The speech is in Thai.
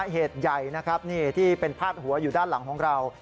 เหตุใหญ่นะครับนี่ที่เป็นพาดหัวอยู่ด้านหลังของเรา